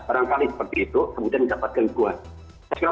kadang kadang seperti itu kemudian mendapatkan dukungan